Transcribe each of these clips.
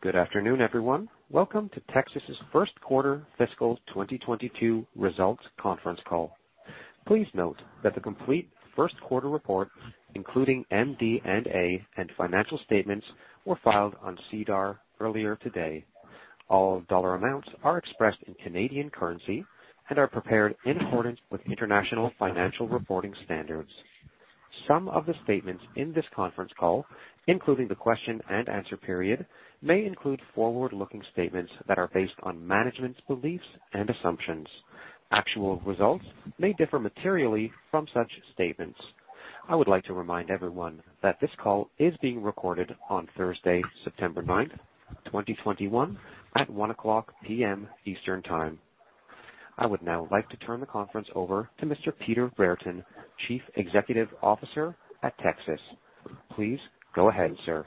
Good afternoon, everyone. Welcome to Tecsys's first quarter fiscal 2022 results conference call. Please note that the complete first quarter report, including MD&A and financial statements, were filed on SEDAR earlier today. All dollar amounts are expressed in Canadian currency and are prepared in accordance with International Financial Reporting Standards. Some of the statements in this conference call, including the question and answer period, may include forward-looking statements that are based on management's beliefs and assumptions. Actual results may differ materially from such statements. I would like to remind everyone that this call is being recorded on Thursday, September ninth, 2021, at 1:00 P.M. Eastern Time. I would now like to turn the conference over to Mr. Peter Brereton, Chief Executive Officer at Tecsys. Please go ahead, sir.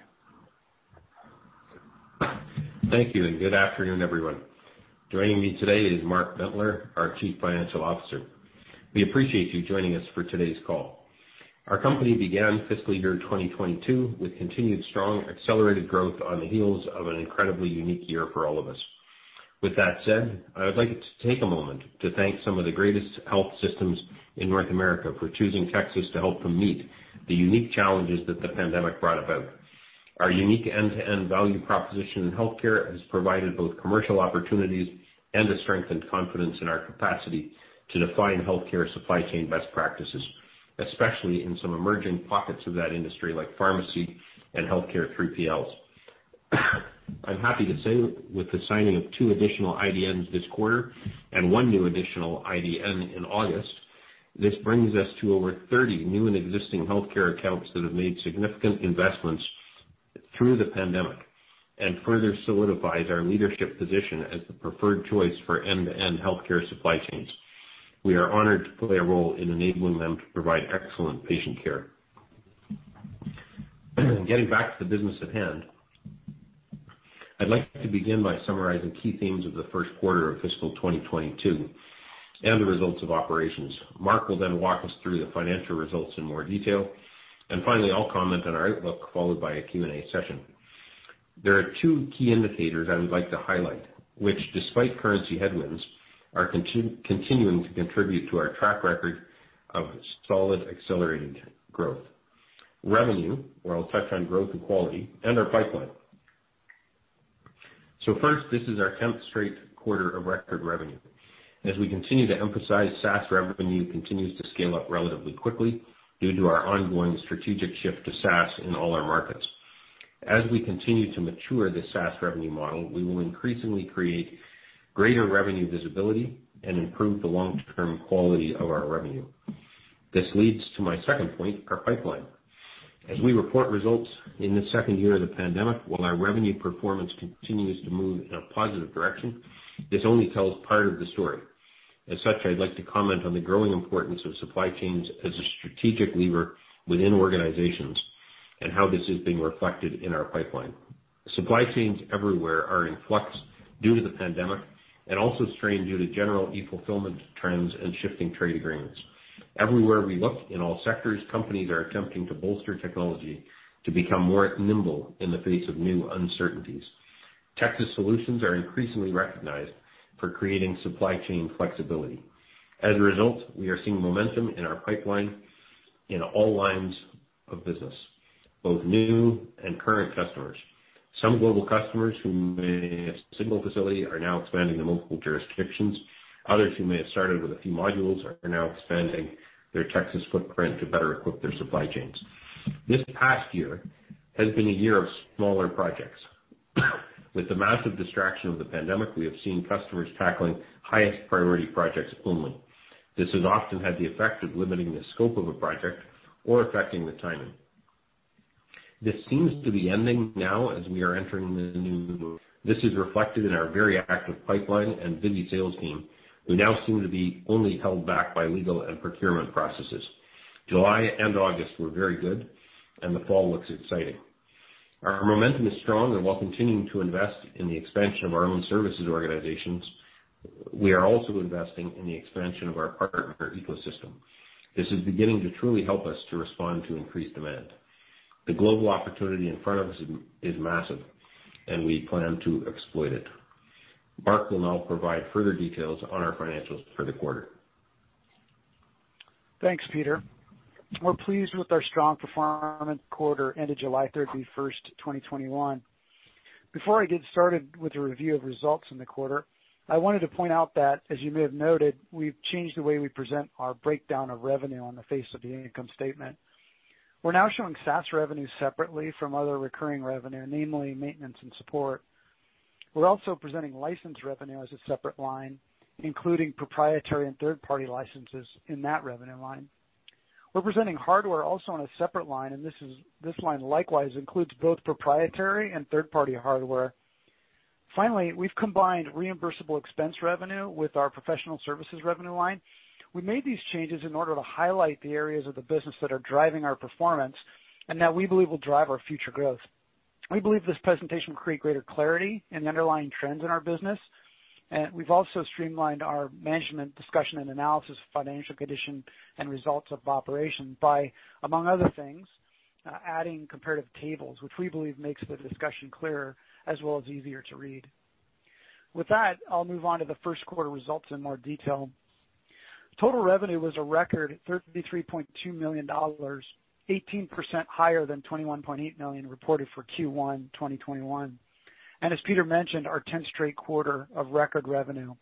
Thank you, and good afternoon, everyone. Joining me today is Mark Bentler, our Chief Financial Officer. We appreciate you joining us for today's call. Our company began fiscal year 2022 with continued strong, accelerated growth on the heels of an incredibly unique year for all of us. With that said, I would like to take a moment to thank some of the greatest health systems in North America for choosing Tecsys to help them meet the unique challenges that the pandemic brought about. Our unique end-to-end value proposition in healthcare has provided both commercial opportunities and a strengthened confidence in our capacity to define healthcare supply chain best practices, especially in some emerging pockets of that industry, like pharmacy and healthcare 3PLs. I'm happy to say, with the signing of two additional IDNs this quarter and one new additional IDN in August, this brings us to over 30 new and existing healthcare accounts that have made significant investments through the pandemic, and further solidifies our leadership position as the preferred choice for end-to-end healthcare supply chains. We are honored to play a role in enabling them to provide excellent patient care. Getting back to the business at hand, I'd like to begin by summarizing key themes of the first quarter of fiscal 2022 and the results of operations. Mark will walk us through the financial results in more detail. Finally, I'll comment on our outlook, followed by a Q&A session. There are two key indicators I would like to highlight, which despite currency headwinds, are continuing to contribute to our track record of solid accelerated growth. Revenue, where I'll touch on growth and quality, and our pipeline. First, this is our 10th straight quarter of record revenue. As we continue to emphasize, SaaS revenue continues to scale up relatively quickly due to our ongoing strategic shift to SaaS in all our markets. As we continue to mature the SaaS revenue model, we will increasingly create greater revenue visibility and improve the long-term quality of our revenue. This leads to my second point, our pipeline. As we report results in the second year of the pandemic, while our revenue performance continues to move in a positive direction, this only tells part of the story. As such, I'd like to comment on the growing importance of supply chains as a strategic lever within organizations and how this is being reflected in our pipeline. Supply chains everywhere are in flux due to the pandemic and also strained due to general e-fulfillment trends and shifting trade agreements. Everywhere we look, in all sectors, companies are attempting to bolster technology to become more nimble in the face of new uncertainties. Tecsys solutions are increasingly recognized for creating supply chain flexibility. As a result, we are seeing momentum in our pipeline in all lines of business, both new and current customers. Some global customers who may have a single facility are now expanding to multiple jurisdictions. Others who may have started with a few modules are now expanding their Tecsys footprint to better equip their supply chains. This past year has been a year of smaller projects. With the massive distraction of the pandemic, we have seen customers tackling highest priority projects only. This has often had the effect of limiting the scope of a project or affecting the timing. This seems to be ending now as we are entering the new normal. This is reflected in our very active pipeline and busy sales team, who now seem to be only held back by legal and procurement processes. July and August were very good, and the fall looks exciting. Our momentum is strong, and while continuing to invest in the expansion of our own services organizations, we are also investing in the expansion of our partner ecosystem. This is beginning to truly help us to respond to increased demand. The global opportunity in front of us is massive, and we plan to exploit it. Mark will now provide further details on our financials for the quarter. Thanks, Peter. We're pleased with our strong performance quarter ended 31st July, 2021. Before I get started with a review of results in the quarter, I wanted to point out that, as you may have noted, we've changed the way we present our breakdown of revenue on the face of the income statement. We're now showing SaaS revenue separately from other recurring revenue, namely maintenance and support. We're also presenting license revenue as a separate line, including proprietary and third-party licenses in that revenue line. We're presenting hardware also on a separate line, and this line likewise includes both proprietary and third-party hardware. Finally, we've combined reimbursable expense revenue with our professional services revenue line. We made these changes in order to highlight the areas of the business that are driving our performance and that we believe will drive our future growth. We believe this presentation will create greater clarity in the underlying trends in our business. We've also streamlined our Management Discussion and Analysis of Financial Condition and Results of Operations by, among other things, adding comparative tables, which we believe makes the discussion clearer as well as easier to read. With that, I'll move on to the first quarter results in more detail. Total revenue was a record 33.2 million dollars, 18% higher than 21.8 million reported for Q1 2021, and as Peter mentioned, our 10th straight quarter of record revenue.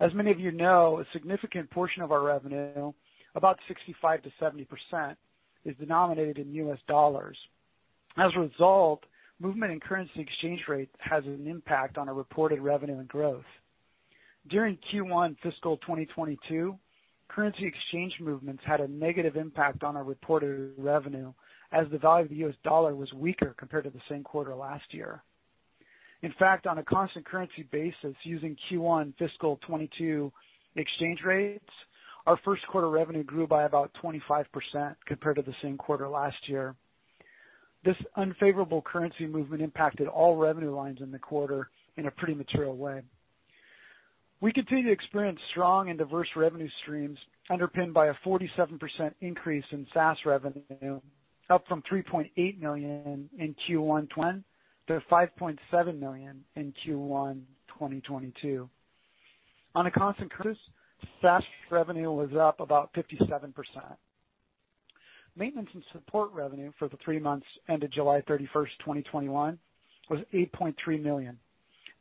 As many of you know, a significant portion of our revenue, about 65%-70%, is denominated in US dollars. As a result, movement in currency exchange rate has an impact on our reported revenue and growth. During Q1 fiscal 2022, currency exchange movements had a negative impact on our reported revenue as the value of the US dollar was weaker compared to the same quarter last year. On a constant currency basis using Q1 fiscal 2022 exchange rates, our first quarter revenue grew by about 25% compared to the same quarter last year. This unfavorable currency movement impacted all revenue lines in the quarter in a pretty material way. We continue to experience strong and diverse revenue streams underpinned by a 47% increase in SaaS revenue, up from $3.8 million in Q1 2020 to $5.7 million in Q1 2022. On a constant basis, SaaS revenue was up about 57%. Maintenance and support revenue for the three months ended 31st July, 2021, was $8.3 million,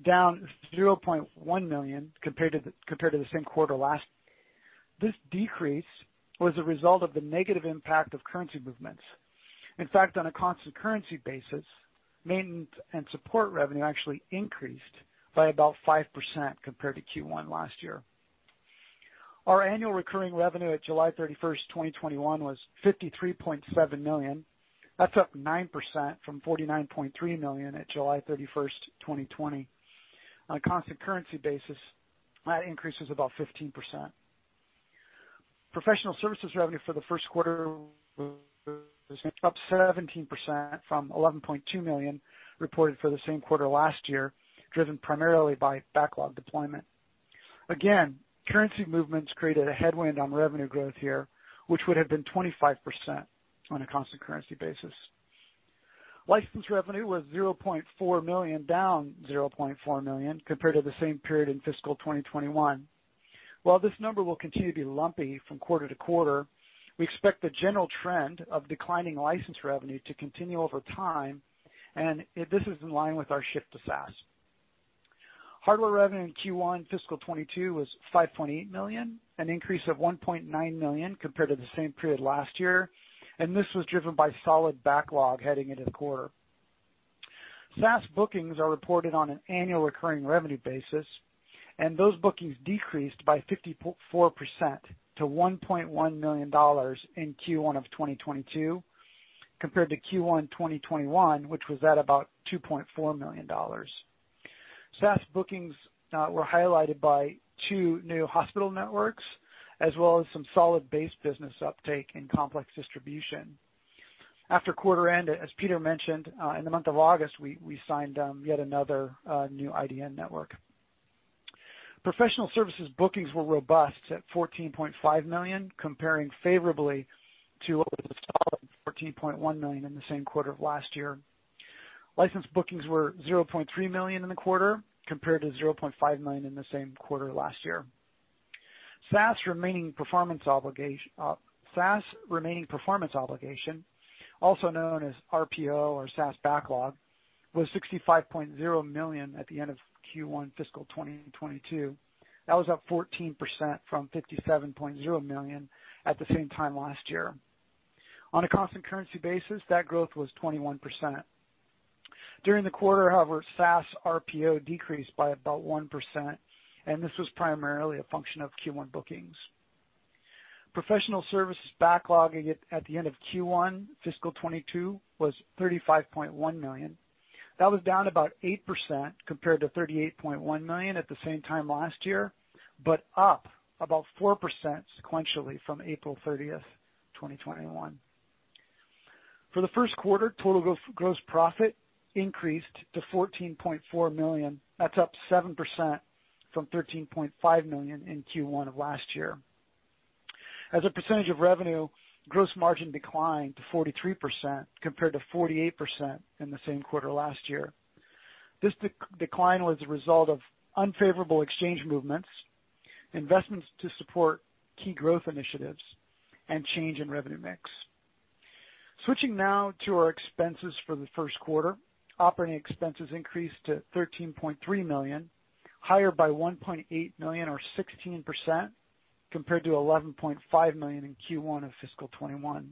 down $0.1 million compared to the same quarter last. This decrease was a result of the negative impact of currency movements. In fact, on a constant currency basis, maintenance and support revenue actually increased by about 5% compared to Q1 last year. Our annual recurring revenue at 31st July, 2021, was 53.7 million. That's up 9% from 49.3 million at July 31st, 2020. On a constant currency basis, that increase was about 15%. Professional services revenue for the first quarter was up 17% from 11.2 million reported for the same quarter last year, driven primarily by backlog deployment. Again, currency movements created a headwind on revenue growth here, which would have been 25% on a constant currency basis. License revenue was 0.4 million, down 0.4 million compared to the same period in fiscal 2021. While this number will continue to be lumpy from quarter to quarter, we expect the general trend of declining license revenue to continue over time, and this is in line with our shift to SaaS. Hardware revenue in Q1 fiscal 2022 was 5.8 million, an increase of 1.9 million compared to the same period last year. This was driven by solid backlog heading into the quarter. SaaS bookings are reported on an annual recurring revenue basis. Those bookings decreased by 54% to 1.1 million dollars in Q1 2022 compared to Q1 2021, which was at about 2.4 million dollars. SaaS bookings were highlighted by two new hospital networks, as well as some solid base business uptake in complex distribution. After quarter end, as Peter mentioned, in the month of August, we signed yet another new IDN network. Professional services bookings were robust at 14.5 million, comparing favorably to what was a solid 14.1 million in the same quarter of last year. License bookings were 0.3 million in the quarter, compared to 0.5 million in the same quarter last year. SaaS remaining performance obligation, also known as RPO or SaaS backlog, was 65.0 million at the end of Q1 fiscal 2022. That was up 14% from 57.0 million at the same time last year. On a constant currency basis, that growth was 21%. During the quarter, however, SaaS RPO decreased by about 1%. This was primarily a function of Q1 bookings. Professional services backlogging at the end of Q1 fiscal 2022 was 35.1 million. That was down about 8% compared to 38.1 million at the same time last year, but up about 4% sequentially from 30th April, 2021. For the 1st quarter, total gross profit increased to 14.4 million. That's up 7% from 13.5 million in Q1 of last year. As a percentage of revenue, gross margin declined to 43% compared to 48% in the same quarter last year. This decline was a result of unfavorable exchange movements, investments to support key growth initiatives, and change in revenue mix. Switching now to our expenses for the 1st quarter. Operating expenses increased to 13.3 million, higher by 1.8 million or 16% compared to 11.5 million in Q1 of fiscal 2021.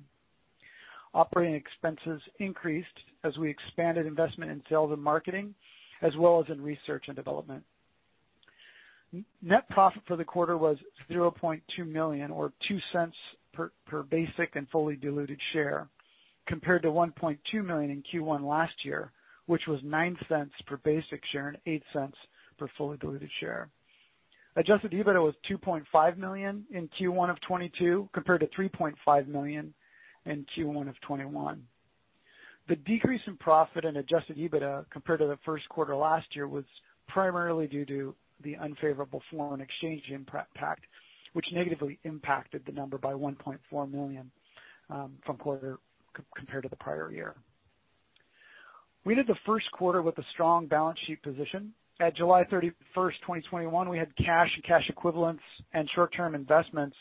Operating expenses increased as we expanded investment in sales and marketing as well as in research and development. Net profit for the quarter was 0.2 million, or 0.02 per basic and fully diluted share, compared to 1.2 million in Q1 last year, which was 0.09 per basic share and 0.08 per fully diluted share. Adjusted EBITDA was 2.5 million in Q1 2022 compared to 3.5 million in Q1 2021. The decrease in profit and Adjusted EBITDA compared to the first quarter last year was primarily due to the unfavorable foreign exchange impact, which negatively impacted the number by 1.4 million compared to the prior year. We did the first quarter with a strong balance sheet position. At 31st July, 2021, we had cash, equivalents, and short-term investments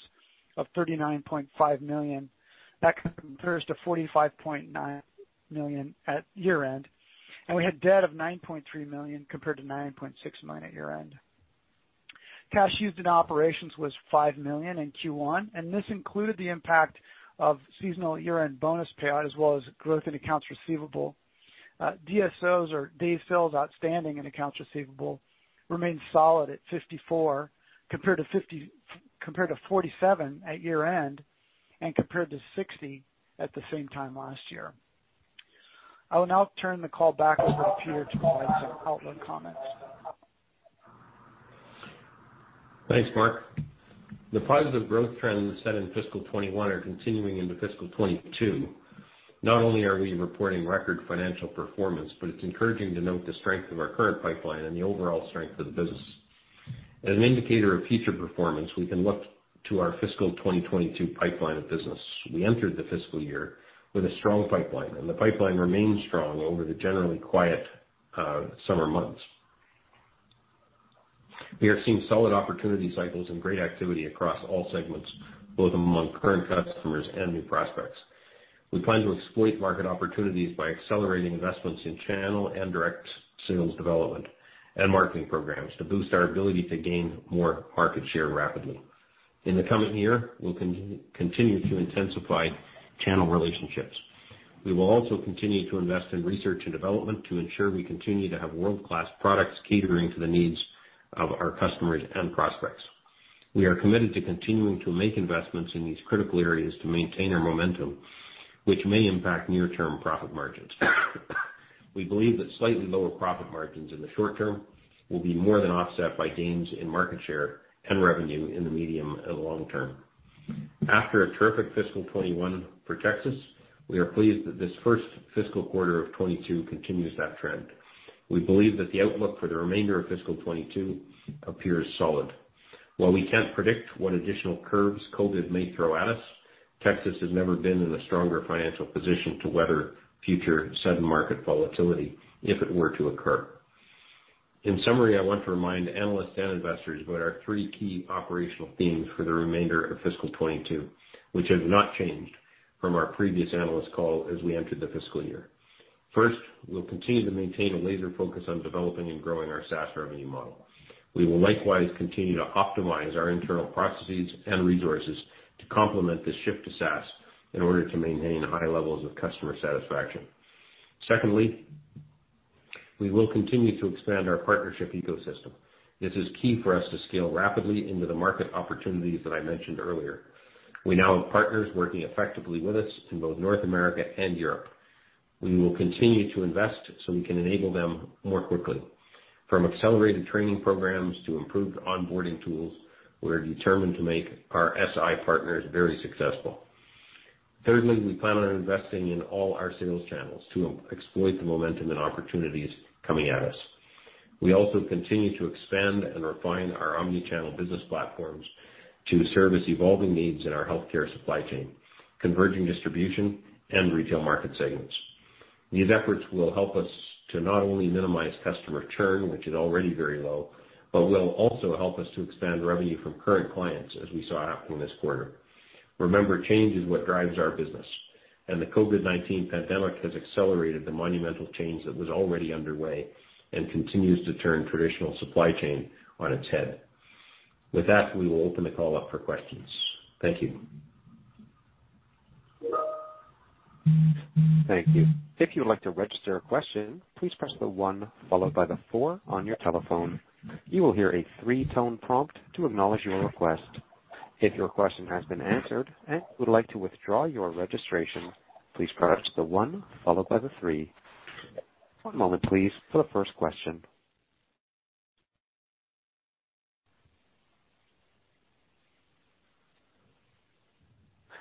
of 39.5 million. That compares to 45.9 million at year-end, and we had debt of 9.3 million compared to 9.6 million at year-end. Cash used in operations was 5 million in Q1, and this included the impact of seasonal year-end bonus payout as well as growth in accounts receivable. DSOs or days sales outstanding in accounts receivable remained solid at 54, compared to 47 at year-end, and compared to 60 at the same time last year. I will now turn the call back over to Peter to provide some outlook comments. Thanks, Mark. The positive growth trends set in fiscal 2021 are continuing into fiscal 2022. Not only are we reporting record financial performance, but it's encouraging to note the strength of our current pipeline and the overall strength of the business. As an indicator of future performance, we can look to our fiscal 2022 pipeline of business. We entered the fiscal year with a strong pipeline, and the pipeline remains strong over the generally quiet summer months. We are seeing solid opportunity cycles and great activity across all segments, both among current customers and new prospects. We plan to exploit market opportunities by accelerating investments in channel and direct sales development and marketing programs to boost our ability to gain more market share rapidly. In the coming year, we'll continue to intensify channel relationships. We will also continue to invest in research and development to ensure we continue to have world-class products catering to the needs of our customers and prospects. We are committed to continuing to make investments in these critical areas to maintain our momentum, which may impact near-term profit margins. We believe that slightly lower profit margins in the short term will be more than offset by gains in market share and revenue in the medium and long term. After a terrific fiscal 2021 for Tecsys, we are pleased that this first fiscal quarter of 2022 continues that trend. We believe that the outlook for the remainder of fiscal 2022 appears solid. While we can't predict what additional curves COVID may throw at us, Tecsys has never been in a stronger financial position to weather future sudden market volatility if it were to occur. In summary, I want to remind analysts and investors about our three key operational themes for the remainder of fiscal 2022, which have not changed from our previous analyst call as we entered the fiscal year. First, we'll continue to maintain a laser focus on developing and growing our SaaS revenue model. We will likewise continue to optimize our internal processes and resources to complement the shift to SaaS in order to maintain high levels of customer satisfaction. Secondly, we will continue to expand our partnership ecosystem. This is key for us to scale rapidly into the market opportunities that I mentioned earlier. We now have partners working effectively with us in both North America and Europe. We will continue to invest so we can enable them more quickly. From accelerated training programs to improved onboarding tools, we're determined to make our SI partners very successful. We plan on investing in all our sales channels to exploit the momentum and opportunities coming at us. We also continue to expand and refine our omni-channel business platforms to service evolving needs in our healthcare supply chain, converging distribution, and retail market segments. These efforts will help us to not only minimize customer churn, which is already very low, but will also help us to expand revenue from current clients as we saw happen this quarter. Remember, change is what drives our business, and the COVID-19 pandemic has accelerated the monumental change that was already underway and continues to turn traditional supply chain on its head. With that, we will open the call up for questions. Thank you. Thank you.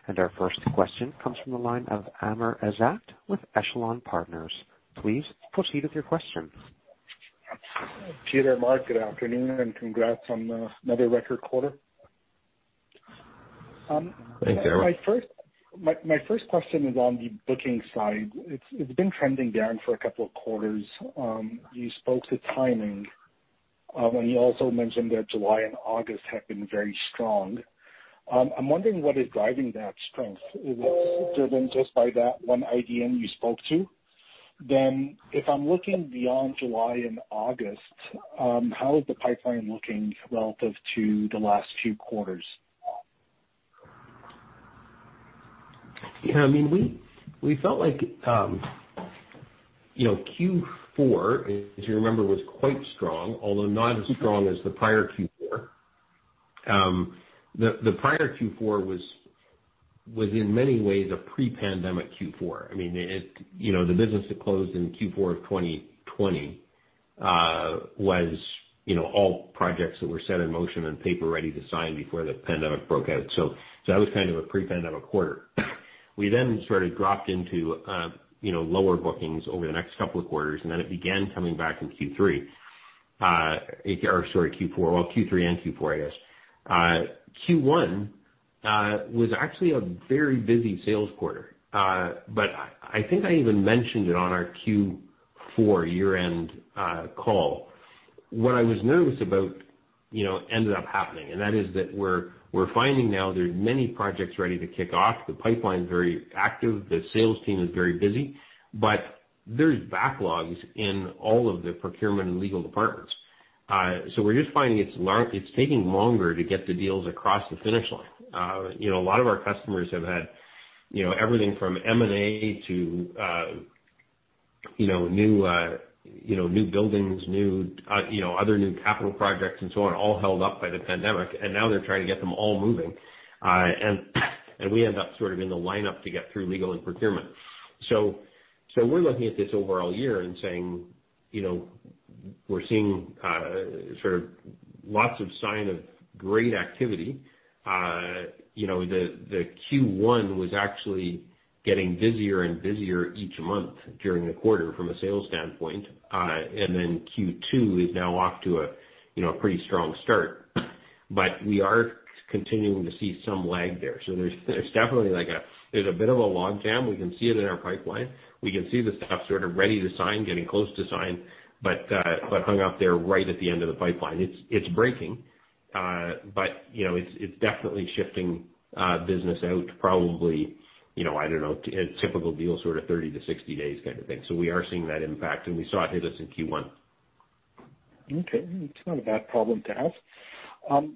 Our first question comes from the line of Amr Ezzat with Echelon Capital Markets. Please proceed with your question. Peter, Mark, good afternoon, and congrats on another record quarter. Thank you. My first question is on the booking side. It's been trending down for a couple of quarters. You spoke to timing, and you also mentioned that July and August have been very strong. I'm wondering what is driving that strength. Is it driven just by that one IDN you spoke to? If I'm looking beyond July and August, how is the pipeline looking relative to the last few quarters? Yeah, we felt like Q4, if you remember, was quite strong, although not as strong as the prior Q4. The prior Q4 was in many ways a pre-pandemic Q4. The business that closed in Q4 of 2020 was all projects that were set in motion and paper ready to sign before the pandemic broke out. That was kind of a pre-pandemic quarter. We then sort of dropped into lower bookings over the next couple of quarters, and then it began coming back in Q3. Sorry, Q4. Well, Q3 and Q4, I guess. Q1 was actually a very busy sales quarter. I think I even mentioned it on our Q4 year-end call. What I was nervous about ended up happening, and that is that we're finding now there's many projects ready to kick off. The pipeline's very active. The sales team is very busy, but there's backlogs in all of the procurement and legal departments. We're just finding it's taking longer to get the deals across the finish line. A lot of our customers have had everything from M&A to new buildings, other new capital projects, and so on, all held up by the pandemic, and now they're trying to get them all moving. We end up sort of in the lineup to get through legal and procurement. We're looking at this over all year and saying, we're seeing sort of lots of sign of great activity. The Q1 was actually getting busier and busier each month during the quarter from a sales standpoint. Q2 is now off to a pretty strong start. We are continuing to see some lag there. There's definitely a bit of a logjam. We can see it in our pipeline. We can see the stuff sort of ready to sign, getting close to sign, but hung up there right at the end of the pipeline. It's breaking, but it's definitely shifting business out probably, I don't know, a typical deal sort of 30-60 days kind of thing. We are seeing that impact, and we saw it hit us in Q1. Okay. It's not a bad problem to have.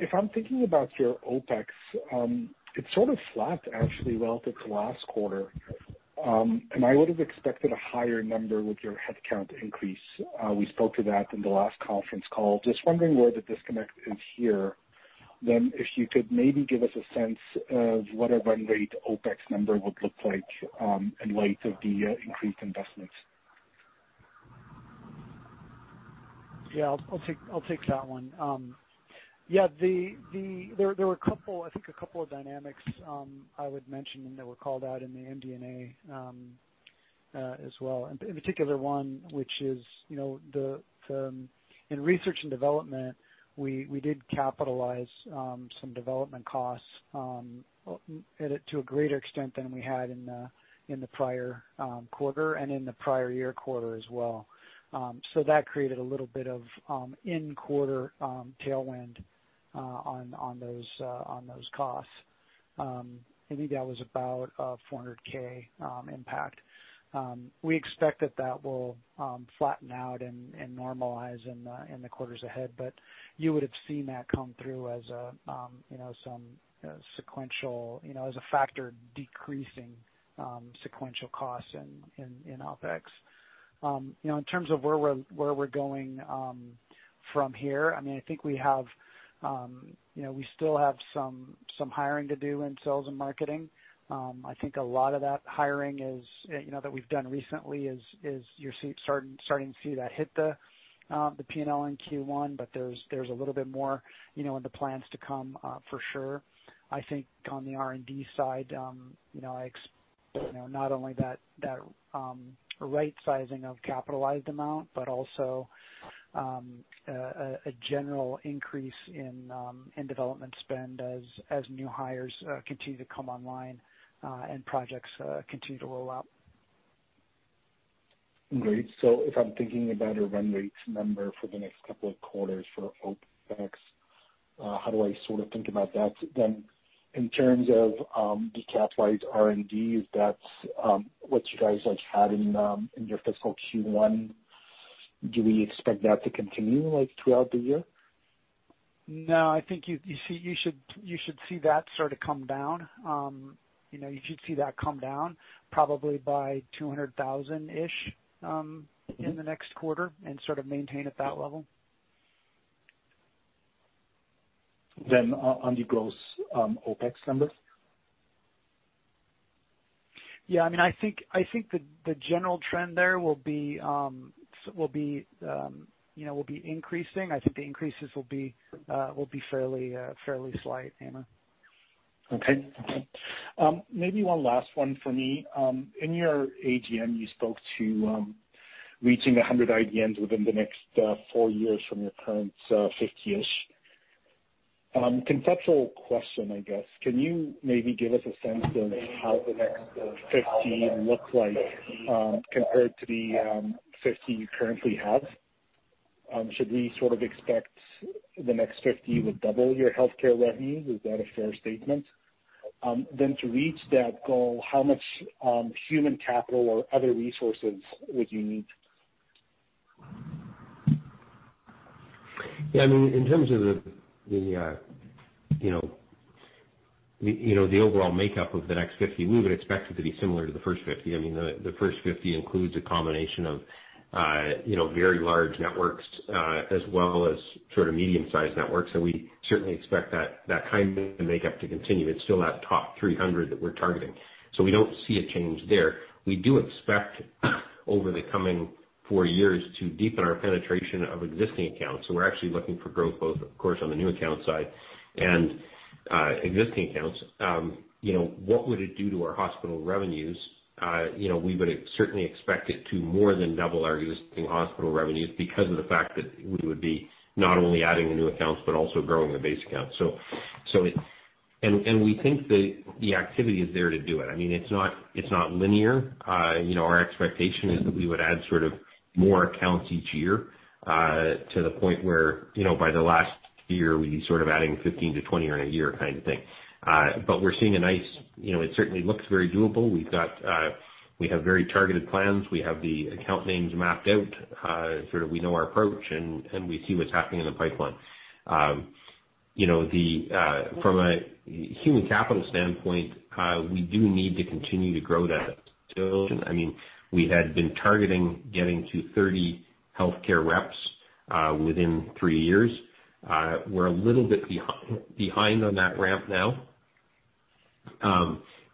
If I'm thinking about your OpEx, it sort of flat actually relative to last quarter. I would have expected a higher number with your headcount increase. We spoke to that in the last conference call. I am just wondering where the disconnect is here, then if you could maybe give us a sense of what a run rate OpEx number would look like in light of the increased investments. Yeah, I'll take that one. There were, I think, a couple of dynamics I would mention, and they were called out in the MD&A as well. In particular one, which is in research and development, we did capitalize some development costs to a greater extent than we had in the prior quarter, and in the prior year quarter as well. That created a little bit of in-quarter tailwind on those costs. I think that was about a 400 thousand impact. We expect that that will flatten out and normalize in the quarters ahead. You would have seen that come through as a factor decreasing sequential costs in OpEx. In terms of where we're going from here, I think we still have some hiring to do in sales and marketing. I think a lot of that hiring that we've done recently, you're starting to see that hit the P&L in Q1, but there's a little bit more in the plans to come for sure. I think on the R&D side, not only that right sizing of capitalized amount, but also a general increase in development spend as new hires continue to come online and projects continue to roll out. Great. If I'm thinking about a run rate number for the next couple of quarters for OpEx, how do I sort of think about that then? In terms of the capitalized R&D, if that's what you guys had in your fiscal Q1, do we expect that to continue throughout the year? No, I think you should see that sort of come down. You should see that come down probably by 200,000-ish in the next quarter and sort of maintain at that level. On the gross OpEx numbers? I think the general trend there will be increasing. I think the increases will be fairly slight, Amr. Okay. Maybe one last one for me. In your AGM, you spoke to reaching 100 IDNs within the next four years from your current 50-ish. Conceptual question, I guess. Can you maybe give us a sense of how the next 50 look like, compared to the 50 you currently have? Should we sort of expect the next 50 would double your healthcare revenue? Is that a fair statement? To reach that goal, how much human capital or other resources would you need? Yeah, in terms of the overall makeup of the next 50, we would expect it to be similar to the first 50. The first 50 includes a combination of very large networks as well as sort of medium-sized networks. We certainly expect that kind of makeup to continue. It's still that top 300 that we're targeting. We don't see a change there. We do expect over the coming four years to deepen our penetration of existing accounts. We're actually looking for growth, both, of course, on the new account side and existing accounts. What would it do to our hospital revenues? We would certainly expect it to more than double our existing hospital revenues because of the fact that we would be not only adding the new accounts but also growing the base accounts. We think that the activity is there to do it. It's not linear. Our expectation is that we would add more accounts each year, to the point where, by the last year, we'd be adding 15-20 in a year kind of thing. It certainly looks very doable. We have very targeted plans. We have the account names mapped out, sort of we know our approach, and we see what's happening in the pipeline. From a human capital standpoint, we do need to continue to grow that I mean, we had been targeting getting to 30 healthcare reps within three years. We're a little bit behind on that ramp now.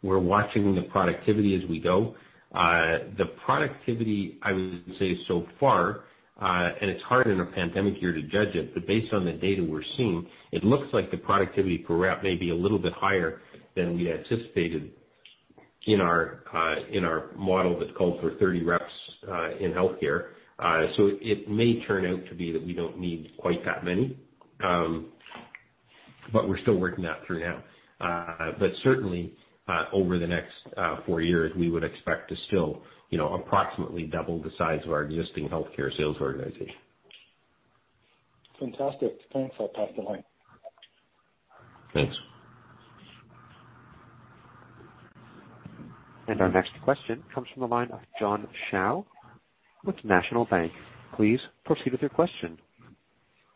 We're watching the productivity as we go. The productivity, I would say so far, and it's hard in a pandemic year to judge it, but based on the data we're seeing, it looks like the productivity per rep may be a little bit higher than we had anticipated in our model that called for 30 reps in healthcare. It may turn out to be that we don't need quite that many, but we're still working that through now. Certainly, over the next four years, we would expect to still approximately double the size of our existing healthcare sales organization. Fantastic. Thanks. I'll pass the line. Thanks. Our next question comes from the line of John Shao with National Bank. Please proceed with your question.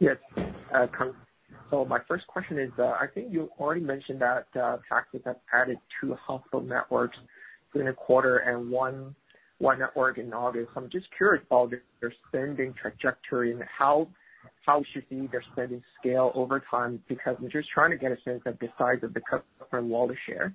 Yes. My first question is, I think you already mentioned that Tecsys has added 2 hospital networks in a quarter and one network in August. I'm just curious about their spending trajectory and how should we see their spending scale over time, because I'm just trying to get a sense of the size of the share.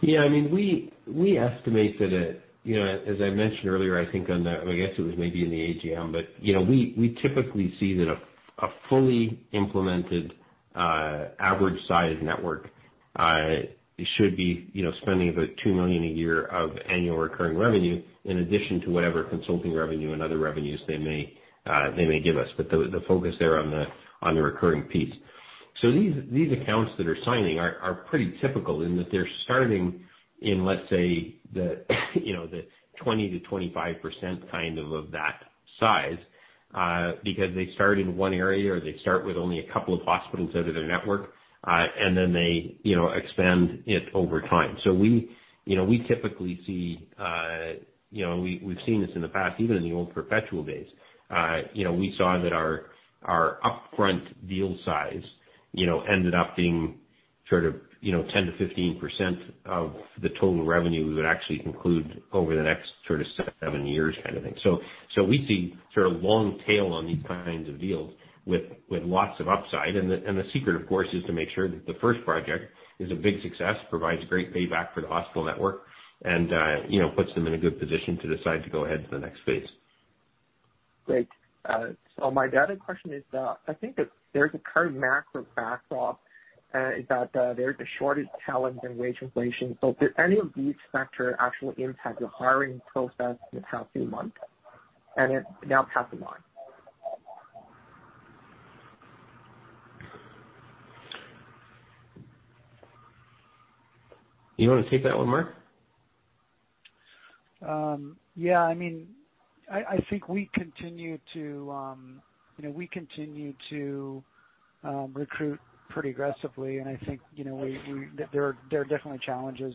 Yeah, we estimate that, as I mentioned earlier, I guess it was maybe in the AGM, but we typically see that a fully implemented, average-sized network should be spending about 2 million a year of annual recurring revenue in addition to whatever consulting revenue and other revenues they may give us. The focus there on the recurring piece. These accounts that are signing are pretty typical in that they're starting in, let's say the 20%-25% kind of that size, because they start in one area, or they start with only a couple of hospitals out of their network, and then they expand it over time. We typically see, we've seen this in the past, even in the old Perpetual days. We saw that our upfront deal size ended up being 10%-15% of the total revenue we would actually include over the next seven years kind of thing. We see long tail on these kinds of deals with lots of upside, and the secret, of course, is to make sure that the first project is a big success, provides great payback for the hospital network, and puts them in a good position to decide to go ahead to the next phase. Great. My other question is, I think that there's a current macro back off, is that there's a shortage of talent and wage inflation. Did any of these factors actually impact your hiring process in the past few months, and now past the month? You want to take that one, Mark? Yeah. I think we continue to recruit pretty aggressively, and I think there are definitely challenges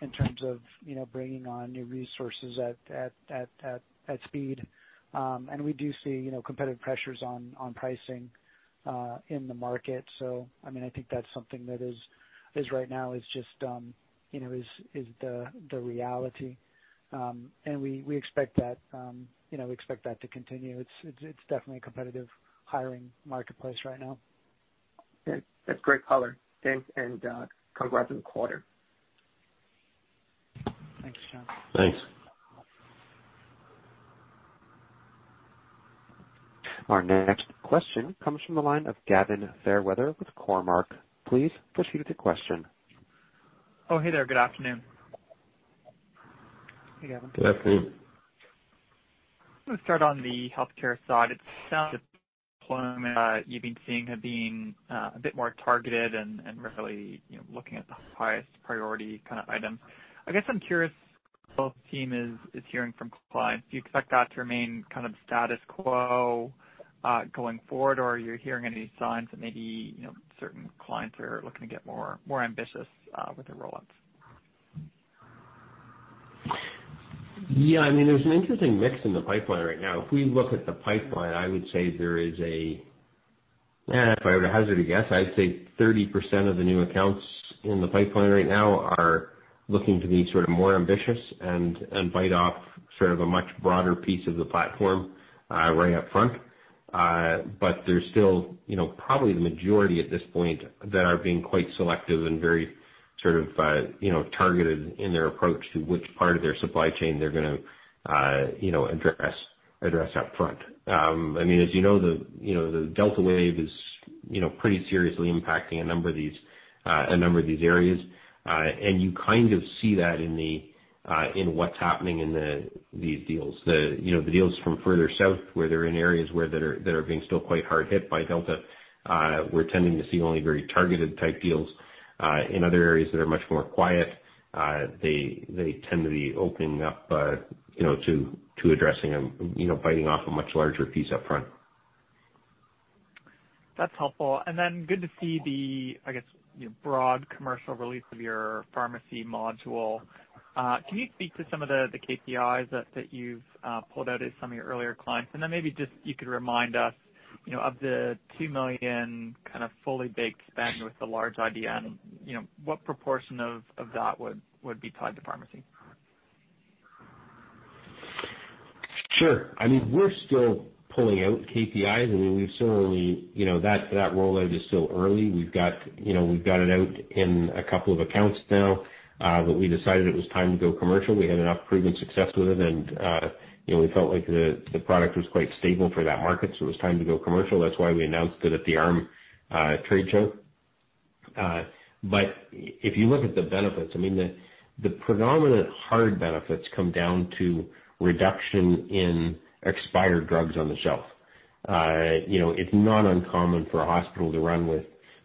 in terms of bringing on new resources at speed. We do see competitive pressures on pricing in the market. I think that's something that is right now is the reality. We expect that to continue. It's definitely a competitive hiring marketplace right now. That's great color. Thanks, and congrats on the quarter. Thanks, John. Thanks. Our next question comes from the line of Gavin Fairweather with Cormark. Please proceed with your question. Oh, hey there. Good afternoon. Hey, Gavin. Good afternoon. I'm going to start on the healthcare side. It sounds like the deployment you've been seeing has been a bit more targeted and really looking at the highest priority kind of item. I guess I'm curious, the team is hearing from clients. Do you expect that to remain kind of status quo going forward, or are you hearing any signs that maybe certain clients are looking to get more ambitious with their roll-ups? Yeah, there's an interesting mix in the pipeline right now. If we look at the pipeline, I would say there is if I were to hazard a guess, I'd say 30% of the new accounts in the pipeline right now are looking to be more ambitious and bite off sort of a much broader piece of the platform right up front. There's still probably the majority at this point that are being quite selective and very targeted in their approach to which part of their supply chain they're going to address up front. As you know, the Delta wave is pretty seriously impacting a number of these areas. You kind of see that in what's happening in these deals. The deals from further south, where they're in areas where they are being still quite hard hit by Delta, we're tending to see only very targeted type deals. In other areas that are much more quiet, they tend to be opening up to addressing and biting off a much larger piece up front. That's helpful. Good to see the, I guess, broad commercial release of your pharmacy module. Can you speak to some of the KPIs that you've pulled out of some of your earlier clients? Maybe just you could remind us, of the 2 million kind of fully baked spend with the large IDN, what proportion of that would be tied to pharmacy? Sure. We're still pulling out KPIs. That rollout is still early. We've got it out in two accounts now, but we decided it was time to go commercial. We had enough proven success with it, and we felt like the product was quite stable for that market, so it was time to go commercial. That's why we announced it at the AHRMM trade show. If you look at the benefits, the predominant hard benefits come down to reduction in expired drugs on the shelf. It's not uncommon for a hospital to run with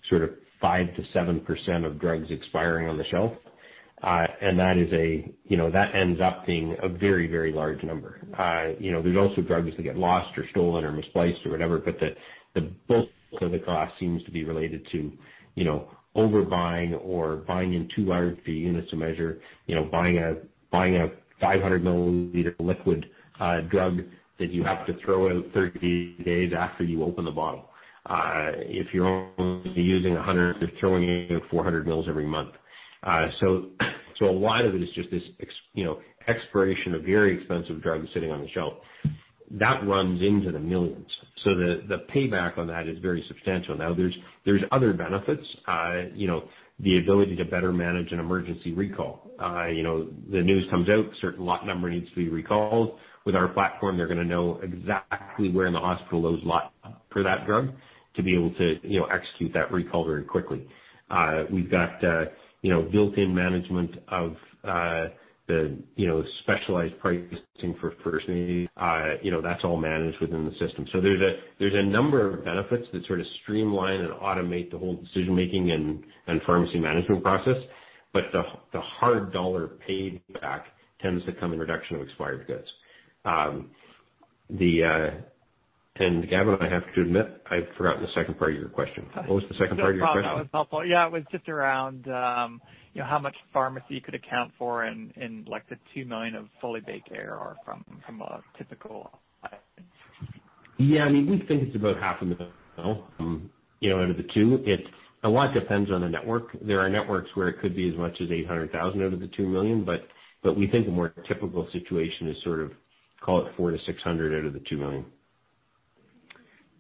sort of 5%-7% of drugs expiring on the shelf. That ends up being a very, very large number. There's also drugs that get lost or stolen or misplaced or whatever, but the bulk of the cost seems to be related to overbuying or buying in too large of units to measure, buying a 500 milliliter liquid drug that you have to throw out 30 days after you open the bottle. If you're only using 100, you're throwing away 400 mils every month. A lot of it is just this expiration of very expensive drugs sitting on the shelf. That runs into the millions. The payback on that is very substantial. Now, there's other benefits. The ability to better manage an emergency recall. The news comes out, a certain lot number needs to be recalled. With our platform, they're going to know exactly where in the hospital those lots for that drug to be able to execute that recall very quickly. We've got built-in management of the specialized pricing for first aid. That's all managed within the system. There's a number of benefits that sort of streamline and automate the whole decision-making and pharmacy management process. The hard dollar paid back tends to come in reduction of expired goods. Gavin, I have to admit, I've forgotten the second part of your question. What was the second part of your question? No, that was helpful. Yeah, it was just around how much pharmacy could account for in the 2 million of fully baked ARR from a typical Yeah. We think it's about CAD half a million out of the 2 million. A lot depends on the network. There are networks where it could be as much as 800,000 out of the 2 million, but we think the more typical situation is sort of, call it 400,000-600,000 out of the 2 million.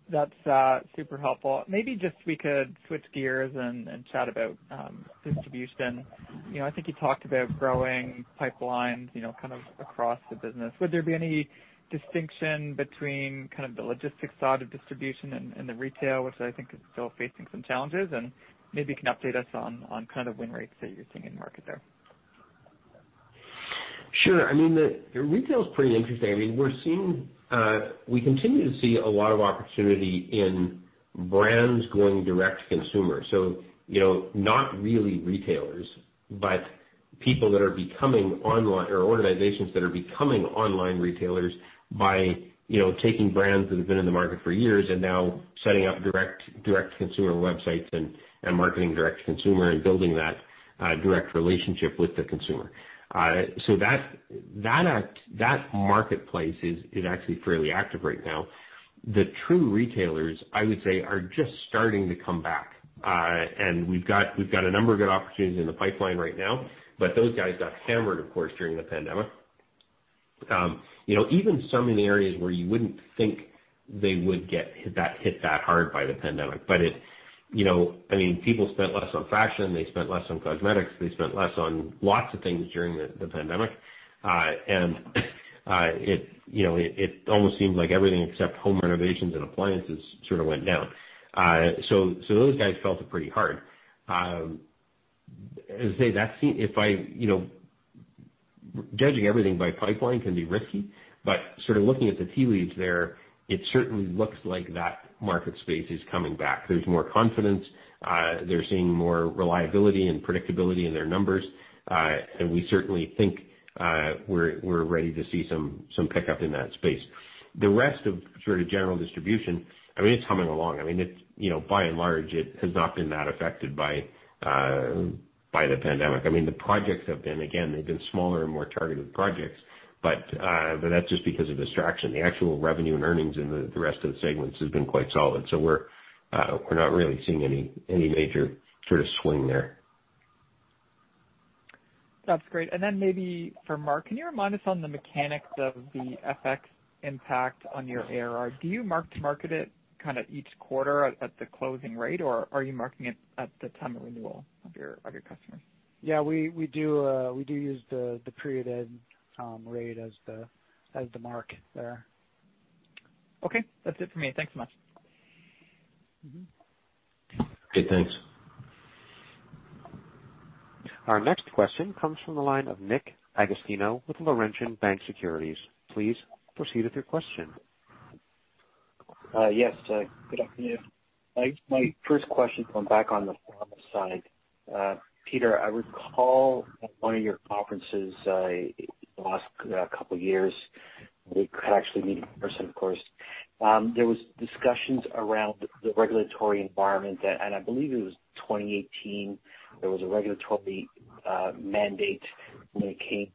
That's super helpful. Maybe just we could switch gears and chat about distribution. I think you talked about growing pipelines, kind of across the business. Would there be any distinction between kind of the logistics side of distribution and the retail, which I think is still facing some challenges? Maybe you can update us on kind of win rates that you're seeing in the market there. Sure. Retail is pretty interesting. We continue to see a lot of opportunity in brands going direct to consumer. Not really retailers, but people that are becoming online or organizations that are becoming online retailers by taking brands that have been in the market for years and now setting up direct consumer websites and marketing direct to consumer and building that direct relationship with the consumer. That marketplace is actually fairly active right now. The true retailers, I would say, are just starting to come back. We've got a number of good opportunities in the pipeline right now. Those guys got hammered, of course, during the pandemic. Even some in the areas where you wouldn't think they would get hit that hard by the pandemic. People spent less on fashion, they spent less on cosmetics, they spent less on lots of things during the pandemic. It almost seems like everything except home renovations and appliances sort of went down. Those guys felt it pretty hard. Judging everything by pipeline can be risky, sort of looking at the tea leaves there, it certainly looks like that market space is coming back. There's more confidence. They're seeing more reliability and pred ictability in their numbers. We certainly think we're ready to see some pickup in that space. The rest of sort of general distribution, it's humming along. By and large, it has not been that affected by the pandemic. The projects have been, again, they've been smaller and more targeted projects, but that's just because of distraction. The actual revenue and earnings in the rest of the segments has been quite solid. We're not really seeing any major sort of swing there. That's great. Maybe for Mark, can you remind us on the mechanics of the FX impact on your ARR? Do you mark to market it each quarter at the closing rate, or are you marking it at the time of renewal of your customers? Yeah, we do use the period end rate as the mark there. Okay. That's it for me. Thanks so much. Okay, thanks. Our next question comes from the line of Nick Agostino with Laurentian Bank Securities. Please proceed with your question. Yes, good afternoon. My first question going back on the pharma side. Peter, I recall at one of your conferences in the last couple of years, we could actually meet in person, of course. There was discussions around the regulatory environment. I believe it was 2018, there was a regulatory mandate when it came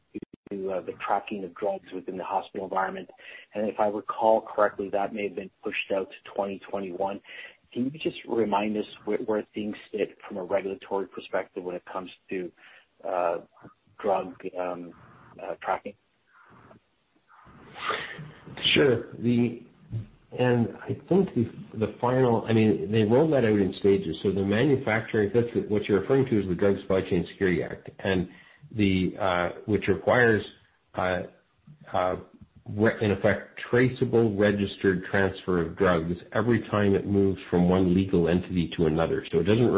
to the tracking of drugs within the hospital environment. If I recall correctly, that may have been pushed out to 2021. Can you just remind us where things sit from a regulatory perspective when it comes to drug tracking? Sure. They rolled that out in stages. What you're referring to is the Drug Supply Chain Security Act, which requires, in effect, traceable registered transfer of drugs every time it moves from one legal entity to another. It doesn't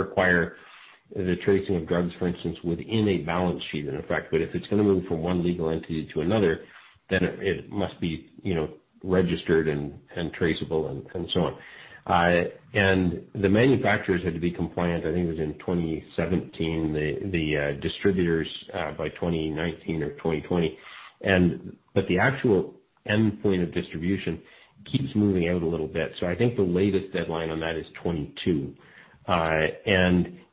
require the tracing of drugs, for instance, within a balance sheet, in effect. If it's going to move from one legal entity to another, then it must be registered and traceable, and so on. The manufacturers had to be compliant, I think it was in 2017. The distributors by 2019 or 2020. The actual endpoint of distribution keeps moving out a little bit. I think the latest deadline on that is 2022.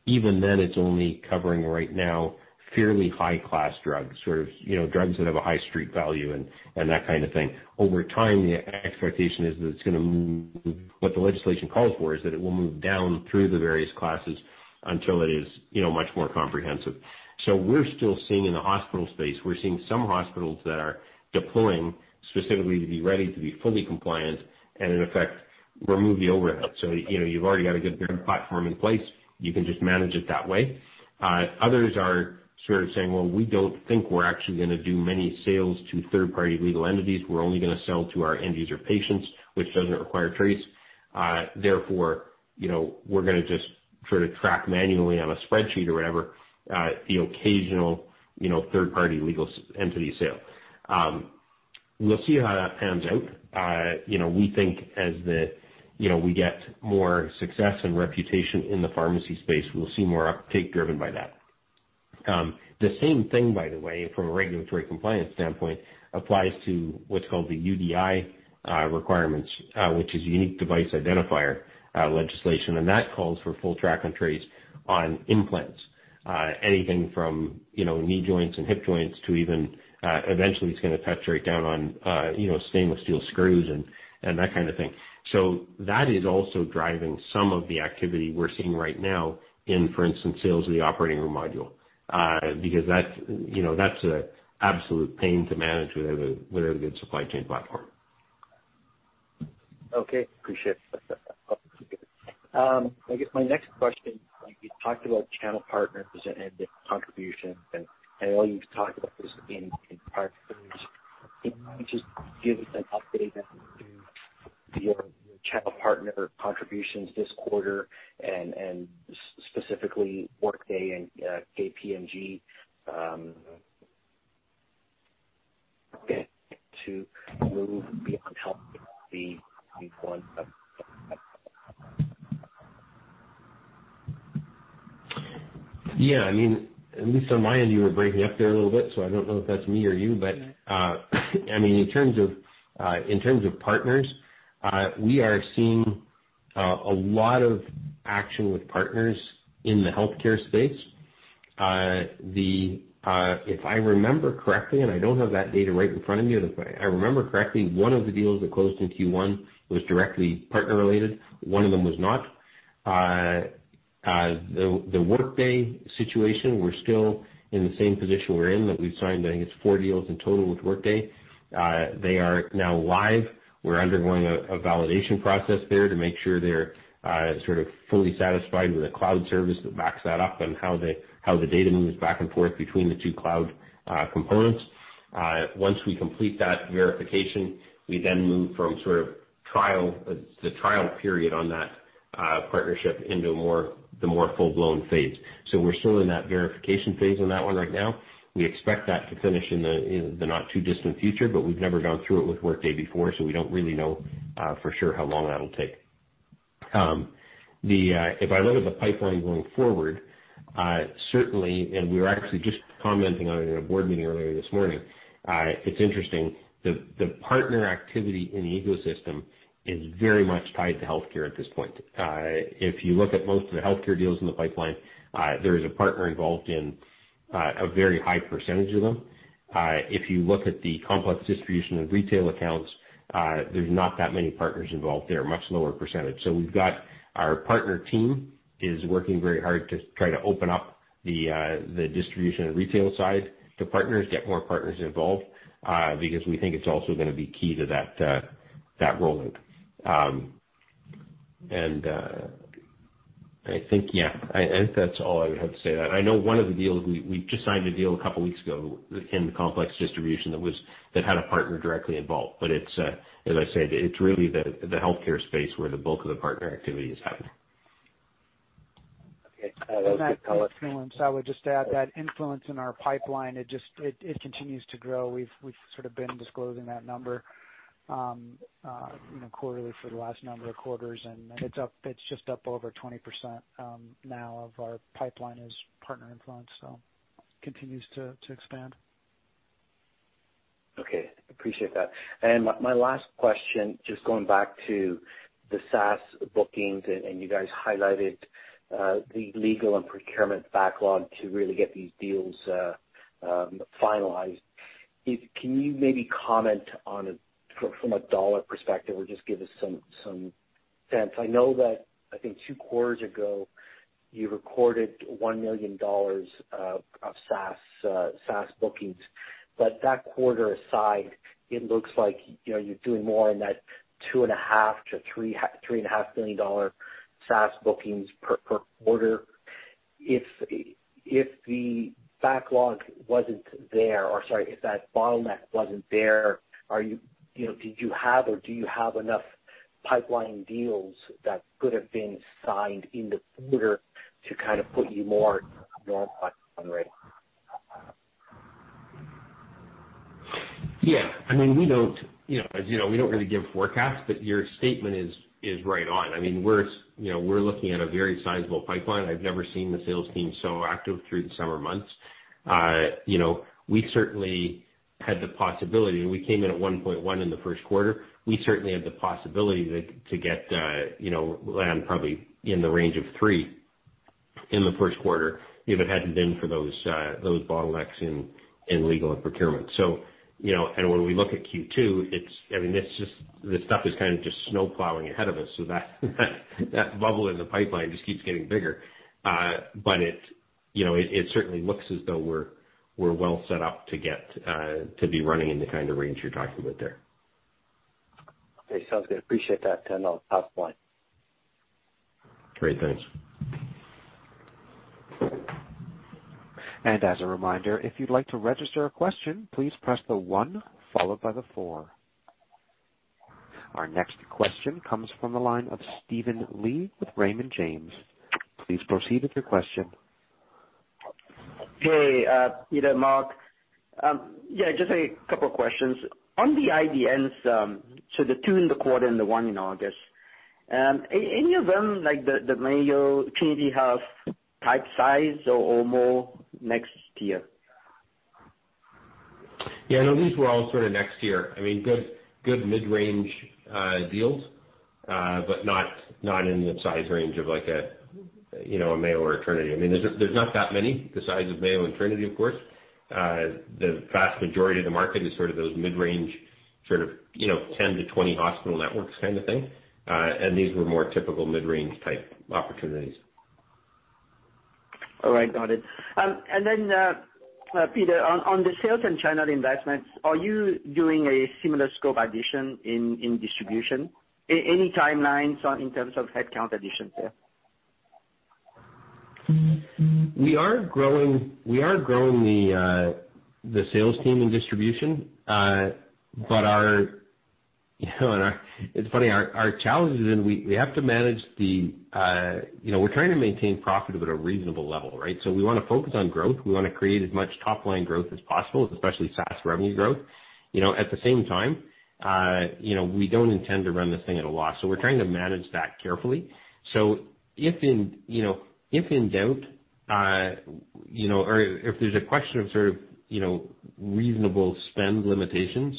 Even then, it's only covering right now fairly high-class drugs. Sort of, drugs that have a high street value and that kind of thing. Over time, the expectation is that what the legislation calls for is that it will move down through the various classes until it is much more comprehensive. We're still seeing in the hospital space, we're seeing some hospitals that are deploying specifically to be ready to be fully compliant and in effect remove the overhead. You've already got a good platform in place. You can just manage it that way. Others are sort of saying, "Well, we don't think we're actually going to do many sales to third-party legal entities. We're only going to sell to our end user patients, which doesn't require a trace. Therefore, we're going to just sort of track manually on a spreadsheet or whatever, the occasional third-party legal entity sale." We'll see how that pans out. We think as we get more success and reputation in the pharmacy space, we'll see more uptake driven by that. The same thing, by the way, from a regulatory compliance standpoint, applies to what's called the UDI requirements, which is Unique Device Identifier legislation. That calls for full track and trace on implants. Anything from knee joints and hip joints to even eventually it's going to touch right down on stainless steel screws and that kind of thing. That is also driving some of the activity we're seeing right now in, for instance, sales of the operating room module. Because that's an absolute pain to manage without a good supply chain platform. Okay. Appreciate that. I guess my next question, you talked about channel partners and their contributions, and I know you've talked about this in prior quarters. Can you just give us an update as to your channel partner contributions this quarter and specifically Workday and KPMG to move beyond health in Q1? Yeah, Listen, on my end, you were breaking up there a little bit, so I don't know if that's me or you. In terms of partners, we are seeing a lot of action with partners in the healthcare space. If I remember correctly, and I don't have that data right in front of me, if I remember correctly, one of the deals that closed in Q1 was directly partner-related. One of them was not. The Workday situation, we're still in the same position we're in, that we've signed, I think it's four deals in total with Workday. They are now live. We're undergoing a validation process there to make sure they're sort of fully satisfied with the cloud service that backs that up and how the data moves back and forth between the two cloud components. Once we complete that verification, we then move from sort of the trial period on that partnership into the more full-blown phase. We're still in that verification phase on that one right now. We expect that to finish in the not too distant future, but we've never gone through it with Workday before, so we don't really know for sure how long that'll take. If I look at the pipeline going forward, certainly, and we were actually just commenting on it in a board meeting earlier this morning. It's interesting, the partner activity in the ecosystem is very much tied to healthcare at this point. If you look at most of the healthcare deals in the pipeline, there is a partner involved in a very high percentage of them. If you look at the complex distribution and retail accounts, there's not that many partners involved there, much lower percentage. We've got our partner team is working very hard to try to open up the distribution and retail side to partners, get more partners involved, because we think it's also going to be key to that rollout. I think that's all I would have to say. I know one of the deals, we just signed a deal a couple weeks ago in the complex distribution that had a partner directly involved. As I said, it's really the healthcare space where the bulk of the partner activity is happening. Okay. That influence, I would just add that influence in our pipeline, it continues to grow. We've sort of been disclosing that number quarterly for the last number of quarters, and it's just up over 20% now of our pipeline as partner influence. Continues to expand. Okay. Appreciate that. My last question, just going back to the SaaS bookings, you guys highlighted the legal and procurement backlog to really get these deals finalized. Can you maybe comment from a dollar perspective or just give us some sense? I know that, I think two quarters ago, you recorded 1 million dollars of SaaS bookings. That quarter aside, it looks like you're doing more in that 2.5 million-3.5 million dollar SaaS bookings per quarter. If the backlog wasn't there or, sorry, if that bottleneck wasn't there, did you have or do you have enough pipeline deals that could have been signed in the quarter to kind of put you more on track? Yeah. As you know, we don't really give forecasts, but your statement is right on. We're looking at a very sizable pipeline. I've never seen the sales team so active through the summer months. We certainly had the possibility, and we came in at 1.1 in the first quarter. We certainly had the possibility to get land probably in the range of three in the first quarter if it hadn't been for those bottlenecks in legal and procurement. When we look at Q2, the stuff is kind of just snowplowing ahead of us, so that bubble in the pipeline just keeps getting bigger. It certainly looks as though we're well set up to be running in the kind of range you're talking about there. Okay, sounds good. Appreciate that. I'll pass it on. Great. Thanks. As a reminder, if you'd like to register a question, please press the one followed by the four. Our next question comes from the line of Steven Lee with Raymond James. Please proceed with your question. Hey, Peter, Mark. Yeah, just two questions. On the IDNs, the two in the quarter and the one in August. Any of them like the Mayo, Trinity Health type size or more next year? Yeah, no, these were all sort of next year. Good mid-range deals, but not in the size range of like a Mayo or a Trinity. There's not that many the size of Mayo and Trinity, of course. The vast majority of the market is sort of those mid-range, sort of 10-20 hospital networks kind of thing. These were more typical mid-range type opportunities. All right. Got it. Then, Peter, on the sales and channel investments, are you doing a similar scope addition in distribution? Any timelines in terms of headcount additions there? We are growing the sales team in distribution. It's funny, our challenge is we're trying to maintain profit at a reasonable level, right? We want to focus on growth. We want to create as much top-line growth as possible, especially SaaS revenue growth. At the same time, we don't intend to run this thing at a loss. We're trying to manage that carefully. If in doubt, or if there's a question of sort of reasonable spend limitations,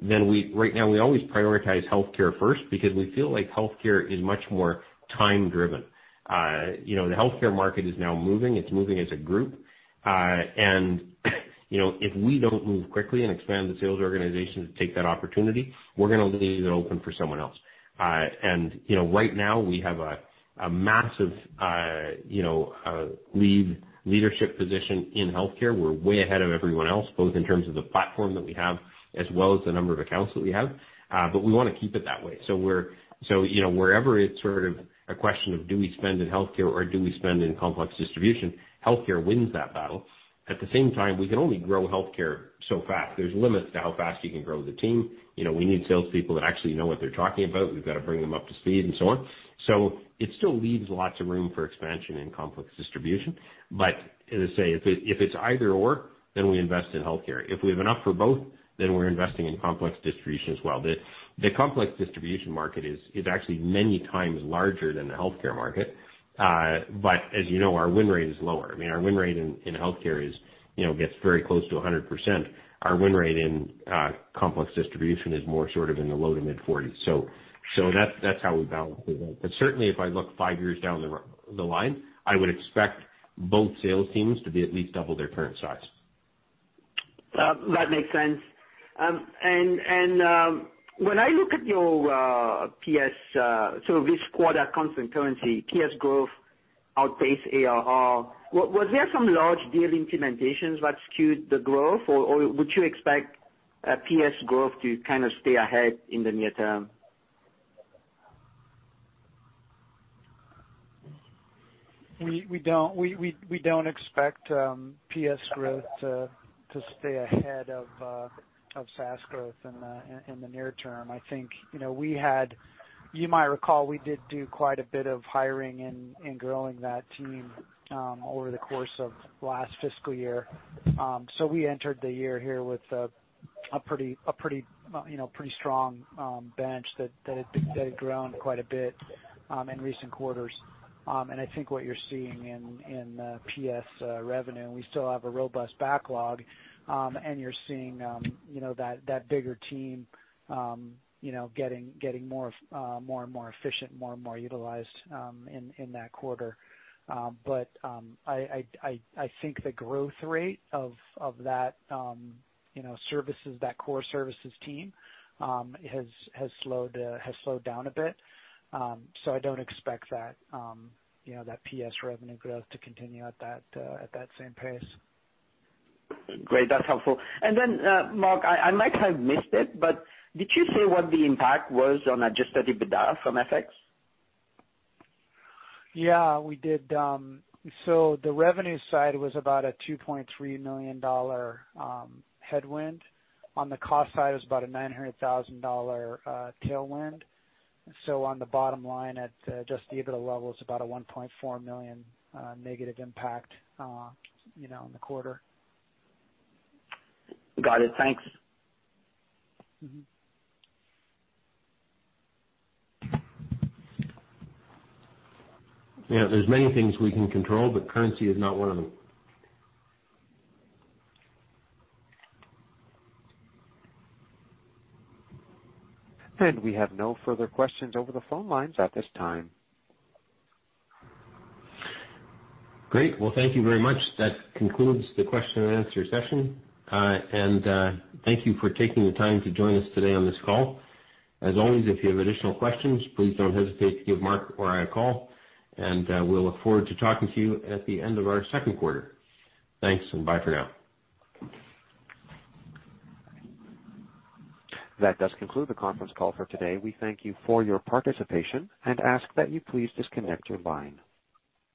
right now we always prioritize healthcare first because we feel like healthcare is much more time driven. The healthcare market is now moving. It's moving as a group. If we don't move quickly and expand the sales organization to take that opportunity, we're going to leave it open for someone else. Right now we have a massive leadership position in healthcare. We're way ahead of everyone else, both in terms of the platform that we have as well as the number of accounts that we have. We want to keep it that way. Wherever it's sort of a question of do we spend in healthcare or do we spend in complex distribution, healthcare wins that battle. At the same time, we can only grow healthcare so fast. There's limits to how fast you can grow the team. We need salespeople that actually know what they're talking about. We've got to bring them up to speed and so on. It still leaves lots of room for expansion in complex distribution. As I say, if it's either/or, then we invest in healthcare. If we have enough for both, then we're investing in complex distribution as well. The complex distribution market is actually many times larger than the healthcare market. As you know, our win rate is lower. Our win rate in healthcare gets very close to 100%. Our win rate in complex distribution is more sort of in the low to mid-40s. That's how we balance it out. Certainly, if I look 5 years down the line, I would expect both sales teams to be at least double their current size. That makes sense. When I look at your PS, so this quarter constant currency, PS growth outpaced ARR. Was there some 1 large deal implementations that skewed the growth? Or would you expect PS growth to kind of stay ahead in the near term? We don't expect PS growth to stay ahead of SaaS growth in the near term. I think you might recall, we did do quite a bit of hiring and growing that team over the course of last fiscal year. We entered the year here with a pretty strong bench that had grown quite a bit in recent quarters. I think what you're seeing in PS revenue, and we still have a robust backlog, and you're seeing that bigger team getting more and more efficient, more and more utilized in that quarter. I think the growth rate of that core services team has slowed down a bit. I don't expect that PS revenue growth to continue at that same pace. Great. That's helpful. Mark, I might have missed it, but did you say what the impact was on adjusted EBITDA from FX? Yeah, we did. The revenue side was about a 2.3 million dollar headwind. On the cost side, it was about a 900,000 dollar tailwind. On the bottom line at adjusted EBITDA level, it's about a 1.4 million negative impact in the quarter. Got it. Thanks. Yeah. There's many things we can control, but currency is not one of them. We have no further questions over the phone lines at this time. Great. Well, thank you very much. That concludes the question and answer session. Thank you for taking the time to join us today on this call. As always, if you have additional questions, please don't hesitate to give Mark or I a call, and we'll look forward to talking to you at the end of our second quarter. Thanks, and bye for now. That does conclude the conference call for today. We thank you for your participation and ask that you please disconnect your line.